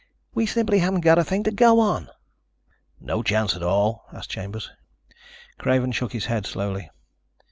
We simply haven't got a thing to go on." "No chance at all?" asked Chambers. Craven shook his head slowly.